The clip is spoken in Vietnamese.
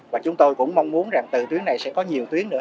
và chúng tôi cũng mong muốn rằng từ tuyến này sẽ có nhiều tuyến nữa